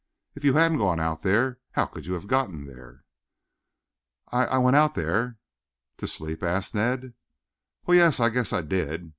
"If you hadn't gone out there, how could you have gotten there?" "I I went out there." "To sleep?" asked Ned. "Well, yes. I guess I did.